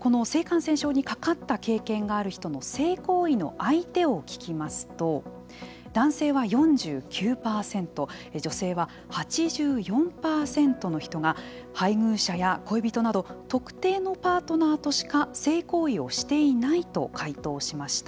この性感染症にかかった経験がある人の性行為の相手を聞きますと男性は４９％女性は８４％の人が配偶者や恋人など特定のパートナーとしか性行為をしていないと回答しました。